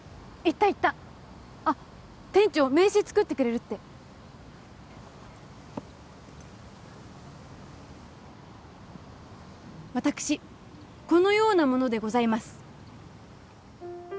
行った行ったあっ店長名刺作ってくれるって私このような者でございます